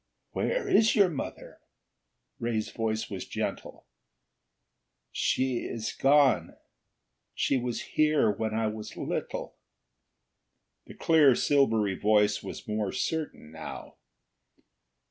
"Where is your mother?" Ray's voice was gentle. "She is gone. She was here when I was little." The clear, silvery voice was more certain now.